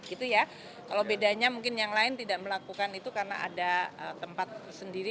itu ya kalau bedanya mungkin yang lain tidak melakukan itu karena ada tempat sendiri